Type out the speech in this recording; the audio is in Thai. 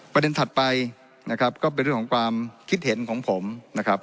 ถัดไปนะครับก็เป็นเรื่องของความคิดเห็นของผมนะครับ